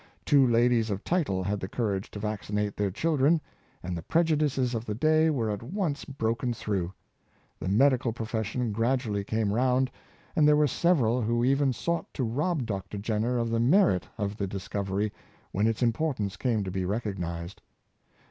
Two ladies of title had the courage to vacci nate their children, and the prejudices of the day were at once broken through. The medical profession grad ually came round, and there were several who even sought to rob Dr. Jenner of the merit of the discovery, when its importance came to be recognized.